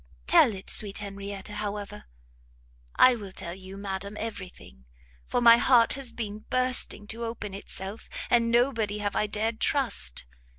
"Tell it, sweet Henrietta, however!" "I will tell you, madam, every thing! for my heart has been bursting to open itself, and nobody have I dared trust.